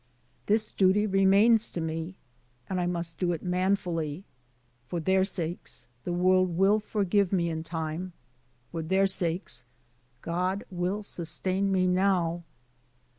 This duty remains to me, and I must do it manfully. For their sakes, the world will forgive me in time; for their sakes, God will sustain me now."